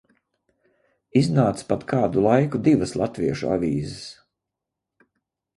Iznāca pat kādu laiku divas latviešu avīzes.